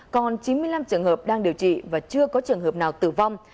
còn chín mươi năm trường hợp đang điều trị và chưa có trường hợp nào tử vong